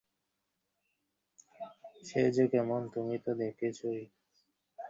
সে যে কেমন তুমি তো দেখেছই।